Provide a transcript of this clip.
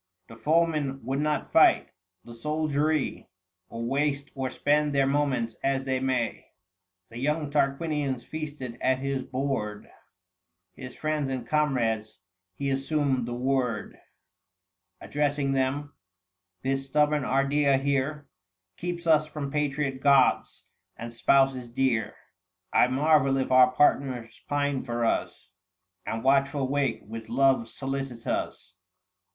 The foeman would not fight ; the soldiery, Or waste or spend their moments as they may. The young Tarquinius feasted at his board His friends and comrades : he assumed the word 780 Addressing them —" This stubborn Ardea here Keeps us from patriot gods and spouses dear ; I marvel if our partners pine for us, And watchful wake with love solicitous